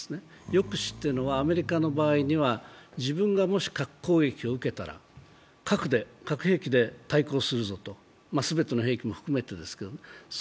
抑止というのは、アメリカの場合には、自分がもし核攻撃を受けたら、核兵器で対抗するぞと、全ての兵器も含めてですけれどもね。